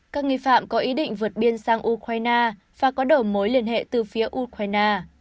các nghi phạm có ý định vượt biên sang ukraine và có đầu mối liên hệ từ phía ukraine